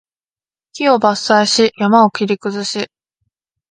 木を伐採し、山を切り崩し